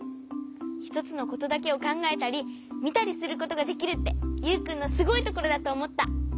ひとつのことだけをかんがえたりみたりすることができるってユウくんのすごいところだとおもった。